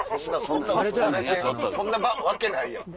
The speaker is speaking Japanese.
そんなわけないやん。